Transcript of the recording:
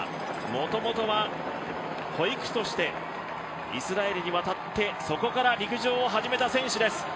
もともとは保育士としてイスラエルには渡ってそこから陸上を始めた選手です。